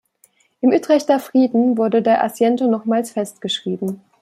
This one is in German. Im Utrechter Frieden wurde der Asiento nochmals festgeschrieben.